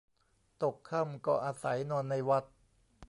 ตกค่ำก็อาศัยนอนในวัด